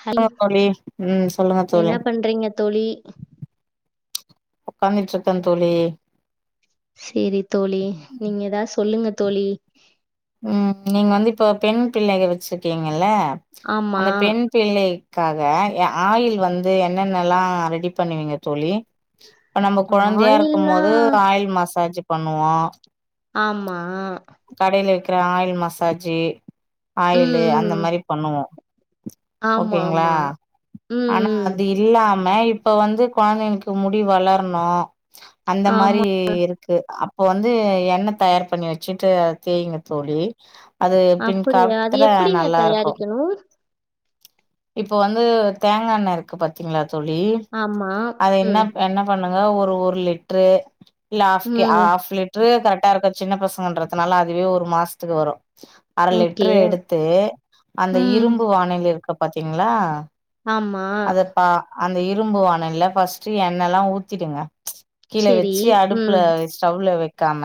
Hello ஆமா தோழி ம் சொல்லுங்க என்ன தோழி பண்றீங்க தோழி ஒக்காந்துட்ருக்க தோழி செரி தோழி நீங்க ஏதாது சொல்லுங்க தோழி ம் நீங்க வந்து இப்போ வந்து பெண் பிள்ளைய வச்சிருக்கீங்கல்ல ஆமா. அந்த பெண் பிள்ளைக்காக எ ஆயில் வந்து என்னென்னலா ரெடி பண்ணுவீங்க தோழி இப்ப நம்ம கொழந்தையா இருக்கும் ஆயில்னா போது ஆயில் மசாஜ் பண்ணுவோ ஆமா கடைல விக்கிற ஆயில் மசாஜு ஆயிலு ம். அந்த ம். மாரி பண்ணுவோ ஓகேங்ளா ஆமாமா. ம். ஆனா ம். அது இல்லாம இப்ப வந்து கொழந்தைக்கு முடி வளர்ணு அந்த மாரி ஆமா. இரு க்கு அப்போ வந்து எண்ண தயார் பண்ணி வச்சுட்டு தேயுங்க தோழி அது பின் அப்படியா? அது காத்துல எப்படிங்க நல்லா இருக்கு தயாரிக்கணும்? இப்போ வந்து தேங்கா எண்ண இருக்கு பாத்தீங்ளா தோழி ஆமா. அது ம். என்னாப் என்னா பண்ணுங்க ஒரு ஒரு லிட்ரு இல்ல ஹாஃப்க்கே ம். ஹாஃப் லிட் ட்ரு கரெக்ட்டா இருக்கு சின்ன பசங்கன்றதுனால அதுவே ஒரு மாசத்துக்கு வரு அர ஓகே. லிட்ரு எடுத்து அந்த ம். இரும்பு வானல் இருக்கு பாத்தீங்ளா ஆமா அதப் பா அந்த இரும்பு வானல்ல ஃபஸ்ட்டு எண்ணல்லா ஊத்திடுங்க கீழ சரி. வெச்சி அடுப்புல ம். வச் ஸ்டௌல வெக்காம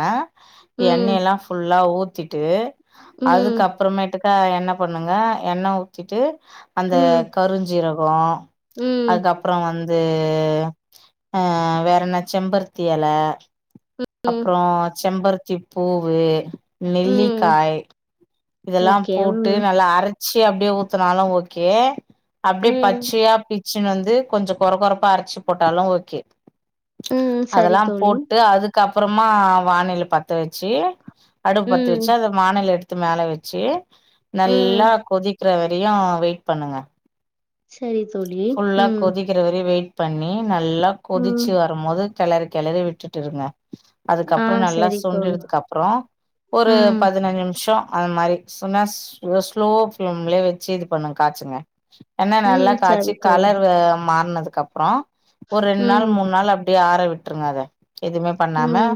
ம். எண்ணெயல்லா ஃபுல்லா ஊத்திட்டு ம். அதுக்கப்றமேட்டுக்கா என்ன பண்ணுங்க எண்ண ஊத்திட்டு அந்த ம். கருஞ் ஜீரகொ ம். அதுக்கப் ப்றொ வந்தூ ஆ வேற என்ன செம்பருத்தி எல ம். அப்றோ செம்பருத்தி பூவு ம். நெல்லிக்காய் இதல்லாம் ஓகே. போட்டு ம். நல்லா அரச்சு அப்டியே ஊத்துனாலு ஓகே அப்டே ம். பச்சையா பிச்சுனு வந்து கொஞ்சொ கொற கொறப்பா அரச்சுப் போட்டாலு ஓகே ம். சரி அதல்லாம் தோழி. போட்டு அதுக்கப்றமா வானல பத்த வச்சு அடுப் பத்த ம். வச்சு அத வானல எடுத்து மேல வச்சு ம். நல்லா கொதிக் ற வரையு வெயிட் பண்ணுங்க சரி தோழி ம் க்கிற வரயு வெயிட் பண்ணி நல்லா ம் கொதிச்சு வரம்போது கெளறி கெளறி விட்டுட்டு இருங்க ஆ அதுக்கப்றவ நல்லா சரி தோழி சுண்டுடதுக்கப்றொ ஒரு ம் பதினஞ்சு நிம்ஷொ அது மாரி சுன்னாஸ் ஸ்லோ ஃப்ளேம்லயே வச்சு இது பண்ணுங் காச்சுங்க எண்ண நல்லா ம் காச்சி சரி தோழி கலரு மாறுனதுக்கப்றொ ஒரு ரெண்ட் நாள் ம் மூண் நாள் அ ப்படியே ஆற விட்ருங்க அத எதுவ்மே பண்ணாம ம்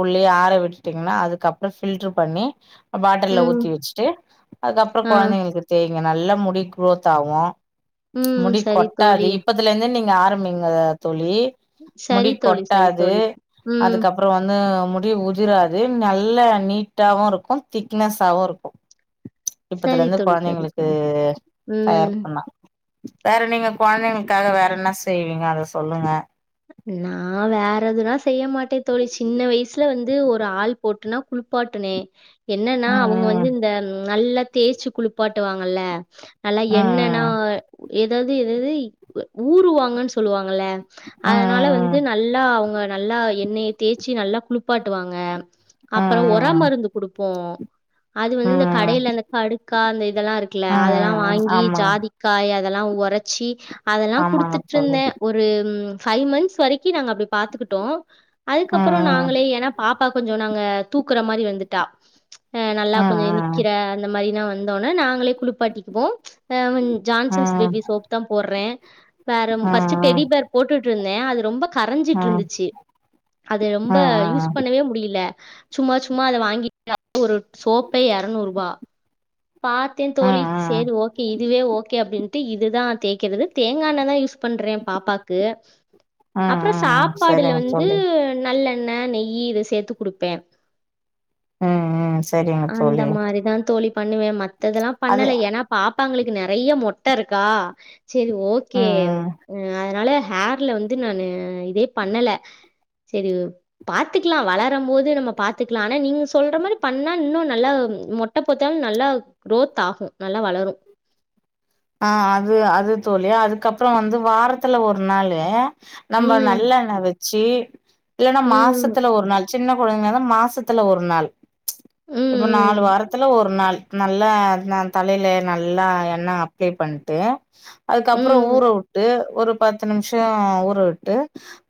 உள்ளயே ஆற விட்டுட்டீங்கன்னா அதுக்கப்றொ ஃபில்ட்ரு பண்ணி ட்டல்ல ம் ஊத்தி வெச்சுட்டு அது அப்றொ ஆ கொழந்தைங்களுக்கு தேய்ங்க நல்லா முடி குரோத் ஆகு ம் முடி சரி கொட்டாது தோழி இப்பதுலேந்தே நீங்க ஆரம்பிங்க தோழி முடி சரி தோழி சரி கொட்டாது தோழி ம் அதுக்கப் றொ வந்து முடி உதிராது நல்ல நீட்டாவு இருக்கு திக் க்னஸாவு இருக்கு சரி இப்பதுலேந்து தோழி சரி கொழந்தைங்களுக்கு தோழி தயார் ம் பண்ணா வேற நீங்க கொழந்தைங்களுக்காக வேற என்ன செய்வீங்க அத சொல்லுங்க நா வேற எதுனா செய்ய மாட்டே தோழி சின்ன வயஸ்ல வந்து ஒரு ஆள் போட்டுனா குளிப்பாட்டுனே என்னன்னா அவுங்க ம் வந்து இந்த நல்லா தேய்ச்சு குளிப்பாட்டுவாங்கல்ல நல்லா எண்ண நா ம் ஏதாவ்து எதாவ்து ஊறுவாங்கன் சொல்லுவாங்கல்ல ம் அதுனால வந் ம் து நல்லா அவ்ங்க நல்லா எண்ணெய தேய்ச்சி நல்லா குளிப்பாட்டுவாங்க அப்பறொ ஒர ம் மருந்து குடுப்போ அது வந்து இந்த ம் கடையில அந்த கடுக்கா அந்த இதெல்லா இரு க்குல ம் ம் ம் ம் ம் அதெல்லா ம் ம் வாங்கி ஆமா ஜாதிக்காய் அதெல்லா ஒரச்சி அதெல்லா ஆமாங்க தோழி குடுத்துட்ருந்தே ஒரு ஃபைவ் மந்த்ஸ் வரைக்கு நாங்க அப்படி பாத்துக்கிட்டோ அதுக்கப்புற ம் நாங்களே ஏனா பாப்பா கொஞ்ச நாங்க தூக்கற மாரி வந்துட்டா அ நல்லா ம் கொஞ்ச நி ம் க்கிற அந்த மாரிலா வந்தோனே நாங்களே குளிப்பாட்டிக்குவோ ஏ ம் ஜான்சன்ஸ் ம் பேபி சோப் தா போடறே வேற ம் ஃபஸ்ட்டு ம் டெடி பேர் போட்டுட்ருந்தே அது ரொம்ப ம் ம் ம் கரைஞ்சிட்ருந்துச்சு அத ம் ரொம்ப யூஸ் பண்ணவே முடியல சும்மா சும்மா அத வாங்கி ஒரு சோப்பே எரநூறுவா பாத்தே ம் தோழி ம் ம் சேரி ஓகே இதுவே ஓகே அப்படின்ட்டு இதுதா தேக்கறது தேங்கா எண்ணெதா யூஸ் பண்றே பாப்பாக்கு அப்ற ம் சாப்பாடுல சரிங்க வந்து தோழி நல்லெ ண்ண நெய்யி இது சேத்து குடுப்பே ம் ம் சரிங்க அந்த தோழி மாரிதான் தோழி பண்ணுவே மத்ததெல்லா அது பண்ணல ஏன்னா பாப்பாங்களுக்கு நெறைய மொட்ட இருக்கா செரி ஓகே ம் ம் அதனால ஹேர்ல வந்து நானு இதே பண்ணல செரி பாத்துக்லா வளரம் போது நம்ம பாத்துக்லா ஆனா நீங்க சொல்ற மாரி பண்ணா இன்னு நல்ல மொட்ட பொட் டாலு நல்லா க்ரோத் ஆகு நல்லா வளரு ஆ அது அது தோழி அதுக்கப்பற வந்து வாரத்துல ஒரு நாளு நம்ம ம் நல்லெண்ண வெச்சு இல்லன்னா ம் மாசத்துல ஒரு நாள் சின்ன குழந்தைங்கனால மாசத்துல ஒரு நாள் இப்ப நாலு ம் வாரத்துல ஒரு நாள் நல்லா ந தலைல நல்லா எண்ணெ அப்ளை பண்ட்டு அதுக்கப்புற ம் ஊற உட்டு ஒரு பத்து நிமிஷ ஊற விட்டு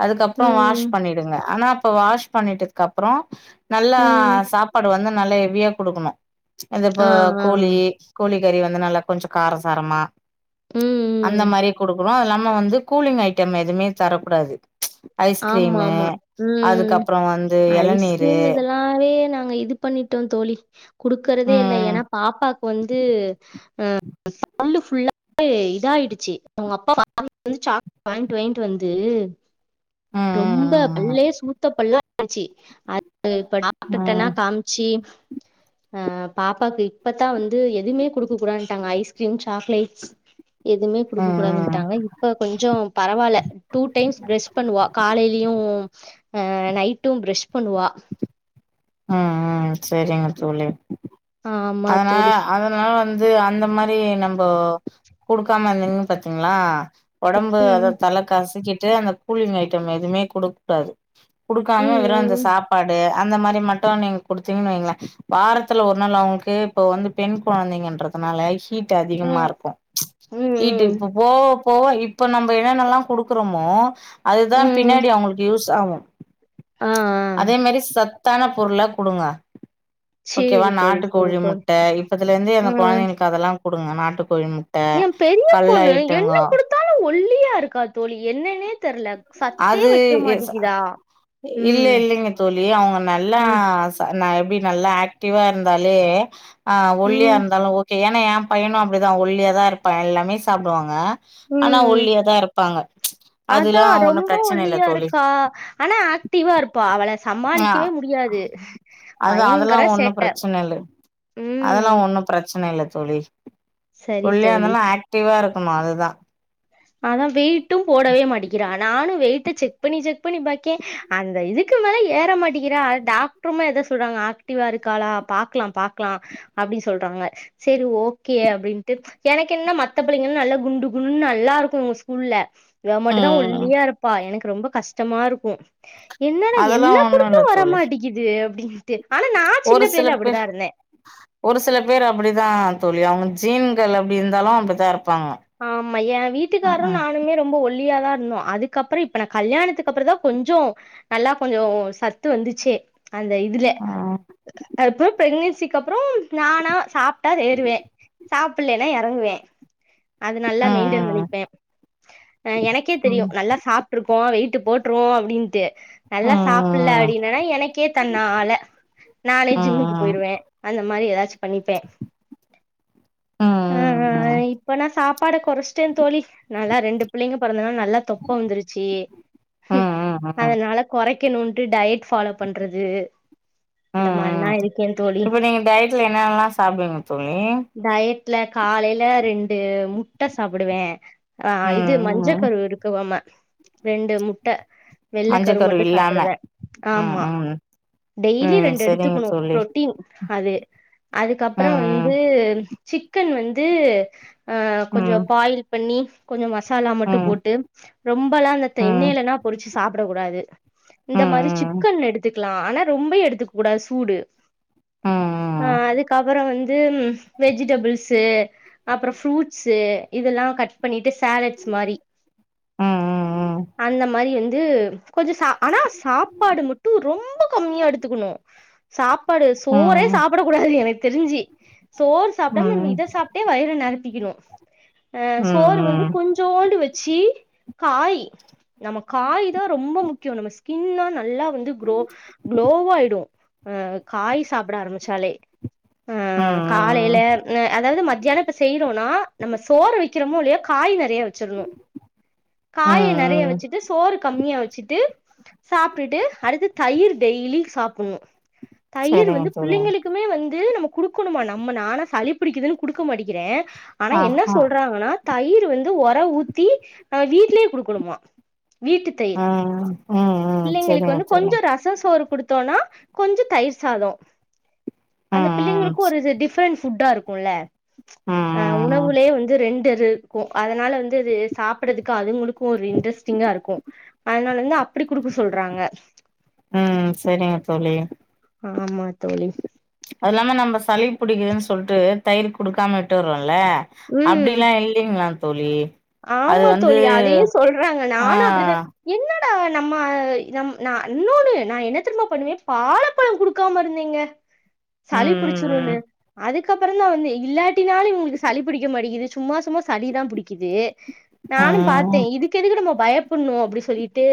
அதுக்கப்பற வாஷ் ம் ம் பண்ணிடுங்க ஆனா அப்ப வாஷ் பண்ணிட்டதுக்கப்புற நல்லா ம் சாப்பாடு வந்து நல்லா ஹெவியா குடுக்கணு அந்த இப்ப ஆ ஆ கோழி கோழி கறி வந்து நல்ல கொஞ்ச கார சாரமா ம் அந்த ம் மாரி குடுக்கணு அது இல்லாம வந்து கூலிங் ஐட்டம் எதுமே தரக்கூடாது ஆமா ஐஸ்கிரீமு ஆமா அதுக்கப்பற வந்து எளநீரு லாவே நாங்க இது பண்ணிட்டோ தோழி குடுக்கறதே இல்ல ம் ஏன்னா பாப்பாக்கு வந்து அ உள்ளு ஃபுல்லாவே இதாயிடுச்சு அவங்க அப்பா வாங்கிட்டு வந்து சாக்லெட் வாங்கிட் வாங்கிட் வந்து ம் ரொம்ப ம் பல்லே சூத்த பல்லா ஆச்சு அது இப்ப டாக்டர்ட்டெல்லா ம் காம் ச்சி ஆ பாப்பாக்கு இப்பத்தா வந்து எதுவுமே குடுக்க கூடாதுன்ட்டாங்க ஐஸ்கிரீம் சாக்லேட்ஸ் எதுவுமே ம் ம் குடுக்க ம் கூடாதுன்ட்டாங்க இப்ப கொஞ்ச பரவால்ல டூ டைம்ஸ் பிரஷ் பண்ணுவா காலையிலயு நைட்டு பிரஷ் பண்ணுவா ம் ம் செரிங்க தோழி ஆமா அதனால தோழி அதலா வந்து அந்த மாரி நம்போ குடுக்காம இருந்திங்கன்னு பாத்திங்ளா ஒடம்பு அத ம் தல கசக்கிட்டு அந்த கூலிங் ஐட்டம் எதுமே குடுக்க கூடாது குடுக்காம வெறு அந்த ம் சாப்பாடு அந்த மாரி மட் டு நீங்க குடுத்திங்கன் வைங்களே வாரத்துல ஒரு நாள் அவங்களுக்கு இப்ப வந்து பெண் கொழந்தைங்கன்றது னால ஹீட் அதிகமா ம் இருக்கு ம் ம் ஹீட் ம் இப்ப போ வ போவ இப்ப நம்ம என்னென்னல்லா குடுக்குறமோ அதுதா ம் பின்னாடி அவங்களுக்கு யூஸ் ஆவு ஆ ஆ அதே மாரி சத்தான பொருளா குடுங்க ஓகேவா சேரி தோழி நாட்டு சேரி கோழி தோழி முட்டை இப்பத்துல இருந்து அந்த ம் கொழந்தைங்களுக்கு அதெல்லா குடுங்க நாட்டுக்கோழி முட் எ பெரிய பொண்ணு என்ன குடுத்தாலு ஒல்லியா இருக்கா தோழி என்னன்னே தெர்ல சத்தே அது வைக்க மாட்டிக்கிதா இல்ல ம் இல்லைங்க தோழி அவங்க நல்லா ம் எப்படி நல்லா ஆக்டிவா இருந்தாலே ஆ ஒல்லியா ம் இருந்தாலு ஏன்னா ஏ பையனும் அப்படிதான் ஒல்லியா தான் இருப்பான் எல்லாமே சாப்பிடுவாங்க ஆனா ம் ஒல்லியா தான் இருப்பாங்க அதுல அதா அவங்க ரொம்ப ஒல்லியா இருக்கா ஆனா ஆக்டிவா இருப்பா அவள ஆ சமாளிக்கவே முடியாது அதா பயங்கர சேட்ட ம் அதெல்லாம் ஒன்னும் பிரச்சன இல்ல தோழி சரி ஒல்லியா தோழி இருந்தாலும் ஆக்டிவா இருக்கணும் அதுதான் ஆனா வெயிட்டும் போடவே மாட்டிக் நானும் வெயிட்ட செக் பண்ணி செக் பண்ணி பாக்கேன் அந்த இதுக்கு மேலே ஏற மாட்டேங்கிறா டாக்டர் ருமே அதான் சொல்றாங்க ஆக்டிவா இருக்காளா பாக்கலாம் பாக்கலாம் அப்படின்னு சொல்றாங்க சரி ஓகே அப்படின்ட்டு எனக்கு என்ன மத்த பிள்ளைங்க நல்லா குண்டு குண்டுன்னு நல்லா இருக்கும் ஸ்கூல்ல இவமட்டும் தான் ம் ஒல்லியா இருப்பா எனக்கு ரொம்ப கஷ்டமா இருக்கும் என்னடா அதெல்லா என்ன ஒண்ணு இல்ல குடுத்தும் தோழி வரமாட்டேங்குது அப்படின்ட்டு ஆனா நான் சின்ன ஒரு சில பிள்ளைையில பேர் அப்படிதான் இருந்தேன் ஒரு சில பேர் அப்படித்தான் தோழி அவங்க ஜீன்கள் அப்படி இருந்தாலும் அப்படி தான் இருப்பாங்க ஆமா ஏன் இப்ப வீட்டுக்காரும் நானுமே ரொம்ப ஒல் ஒல்லியாத இருந்தோம் அதுக்கப்புறம் இப்ப நான் கல்யாணத்துக்கு அப்புறம் தான் கொஞ்சம் நல்லா கொஞ்சம் சத்து வந்துச்சே அந்த இதுல அப்புறம் பிரெக்னன்சிக்கு அப்புறம் நானா சாப் ட்டா ஏறுவேன் சாப்பிடலன்னா இறங்குவேன் அது நல்லா மெயின்டன் பண்ணிப்பேன் எனக்கே தெரியும் நல்லா சாப் கோம் வெயிட்டு போட்டுருவோம் அப்படின்னுட்டு நல்லா சாப்பிடல அப்படின்னா எனக்கே தண்ணால நானே ஜிம்முக்கு போயிருவேன் அந்த மாறி. ஏதாச்சும் பண்ணிப்பேன் ஆ ஆ இப்பனா சாப்பாட குறைச்சிட்டேன் தோழி நால்லா ரெண்டு பிள்ளைங்க பிறந்தனா நல்லா தொப்ப வந்துருச்சு அதனால குறைக்கணும்ட்டு டயட் ஃபாலோ பண்றது இந்த ம் மாரிலா ம் இருக்கே தோழி இப்போ நீங்கள் டயட்ல என்னென்னலாம் சாப்டுவிங்க தோழி டயட்ல காலைல ரெண்டு முட்டை சாப்பிடுவேன் ஆ இது ம் மஞ்சள் ம் கரு இருக்குவாம ரெண்டு முட்ட வெள்ள கரு மஞ்சக்கரு மட்டும் இல்லாம சாப்பிடுவேன் ம் ஆமா ம் டெய்லி ம் ரெண்டு சரிங்க எடுத்துக்கணும் தோழி புரோட்டீன் அது அதுக்கப்புறம் ம் வந்து சிக்கன் வந்து ம் கொஞ்சம் பாயில் பண்ணி கொஞ்சம் மசாலா ம் மட்டும் ரொம்ப எல்லாம் இந்த ம் எண்ணெயில் எல்லா பொறிச்சு சாப்பிட கூடாது ம் இந்த மாறி சிக்கன் எடுத்துக்கலாம் ஆனா ரொம்ப எடுத்துக்க கூடாது சூடு ம் ம் ஆ அதுக்கப்புறம் வந்து வெஜிடபிள்ஸ அப்புறம் ஃப்ரூட்ஸ் இதெல்லாம் கட் பண்ணிட்டு சேலட்ஸ் மாறி ம் அந்த மாறி வந்து கொஞ்சம் ஆனா சாப்பாடு மட்டும் கம்மியா எடுத்துக்கணு சாப்பாடு ம் ம் ம் சோறே சாப்பிடக்க கூடாது எனக்கு தெரிஞ்சி சோறு சாப்பிடாம ம் இதை சாப்பிட்டே வயிறு நெறு கணும் ஆ ம் சோறு வந்து ம் கொஞ்சோண்டு வெச்சு காய் நம்ம காய் தான் ரொம்ப முக்கியம் நம்ம ஸ்கின்னும் தா நல்லா வந்து குரோ க்ளோவயிடும் ஆ காய் சாப்பிட ஆரம்பிச்சாலே ஆ ம் காலையிலஹ் அதாவது மத்தான பசி னா நம்ம சோற வைக்கிறோமோ இல்லையா காய் நிறைய வெச்ச வச்சறனும் காய நிறைய ம் வச்சுட்டு சோறு கம்மியா வெச்சுட்டு சாப்பிட்டுட்டு அடுத்து தயிர் டெய்லி சாப்பிடணும் தயிர் சரிங்க வந்து தோழி பிள்ளைங்களுக்கு க்குமே வந்து நம்ம குடுக்கணுமா நம்ம நான சளி பிடிக்குதுன்னு குடுக்க மாட்டிகிறேன் ஆனா ஆ என்ன ஆ சொல்றாங்கன்னா தயிரு வந்து ஒர ஊத்தி அ வீட்லியே குடுக்குனுமா வீட்டு தயிர் ம் ம் ம் பிள்ளைங்களுக்கு செரிங்க வந்து கொஞ்ச செரிங்க ரஸ் ரச சோறு குடுத்தோன்னா கொஞ்ச தயிர் சாதோ அந்த ம் பிள்ளைங்களுக்கு ஒரு டிஃப்ரென்ஸ் ஃபுட்டா இருக்குல்ல ம் ம் ஆ ம் உணவுலயே வந்து ரெண் டு இருக்கு அதனால வந்து அது சாப்படதுக்கு அதுங்களுக்கு ஓர் இன்ட்ரெஸ்டிங்கா இருக்கு அதனால இருந்து அப்படி குடுக்க சொல்றாங்க ம் ம் செரிங்க தோழி ஆம்மா தோழி அது இல்லாம நம்ப சளி புடிக்குதுன் சொல்ட்டு தயிர் குடுக்காம விட்டுறோல்ல ம் அப்டில்லா இல்லிங்ளா தோழி அது ஆமா வந்து தோழி அதையு சொல்றாங்க ஆ நானு அப்படித்தா என்னடா நம்ம நம் நா இன்னோன்னு நா என்ன தெர்ம்மா பண்ணுவே பாழப்பழ குடுக்காம இருந்தேங்க ம் சளி புடிச்சிருன்னு ம் அதுக் கப்புறந்தான் வந்து இல்லாட்டினாலு இவங்களுக்கு சளி புடிக்க மாட்டிகுது சும்மா சும்மா சளிதா புடிக்குது நானும் பாத்தே ம் இதுக்கு எதுக்கு நம்ம பயப்பண்ணு அப்டி சொல்லிட்டு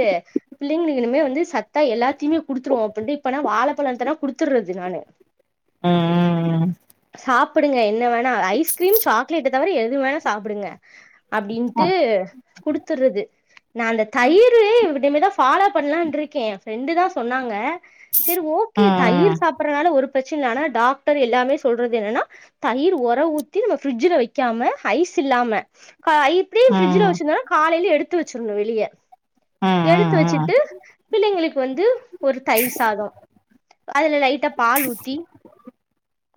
பிள்ளைங்களுக்கு இனமே வந்து சத்தா எல்லாத்தையுமே குடுத்துருவோ அப்படின்ட்டு இப்பனா வாழ பழதனா குடுத்துற்றது நானு ம் சாப்புடுங்க என்ன வேணா ஐஸ்கிரீம் சாக்லேட்டு தவர எது வேணா சாப்டுங்க அப்படின்ட்டு ம் குடுத்துறது நா அந்த தயிரு இப்படுமேதா ஃபாலோ பண்லான்ருக்கே எ ஃப்ரெண்டு தா சொன்னாங்க செர் ஓகே தயிரு ம் சாப்பற்றனால ஒரு பிரச்சன ஆனா டாக்டர் எல்லாமே சொல்றது என்னன்னா தயிர் ஒர ஊத்தி நம்ம பிஃரிட்ஜ்ல வெக்காம ஐஸ் இல்லாம ஆ இப்படியு பிரிட்ஜ்ல ம் வச்சிருந்தனா காலையில எடுத்து வச்சிர்ன்னு வெளியே எடுத்து ம் வச்சிட்டு பிள்ளைங்களுக்கு வந்து ஒரு தயிர் சாதோ அதுல லைட்டா பால் ஊத்தி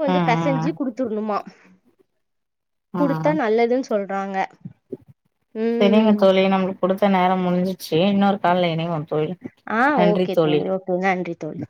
கொஞ்ச ம் பெசஞ்சு குடுத்துடணுமா குடுத்தா ம் நல்லதுன் சொல்றாங்க செரிங்க ம் தோழி நம்மளுக் குடுத்த நேரம் முடிஞ்சிச்சு இன்னொரு கால்ல இணைவோம் தோழி ஆ ஓகே தோழி ஓகே நன்றி தோழி